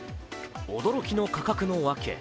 驚きの価格のわけ。